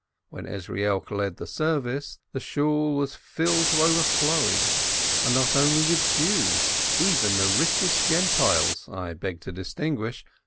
When Ezrielk led the service, the Shool was filled to overflowing, and not only with Jews, even the richest Gentiles (I beg to distinguish!)